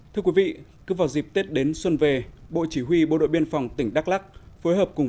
thưa quý vị cứ vào dịp tết đến xuân về bộ chỉ huy bộ đội biên phòng tỉnh đắk lắc phối hợp cùng